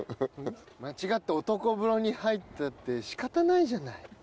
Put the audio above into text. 「間違って男風呂に入ったって仕方ないじゃない」。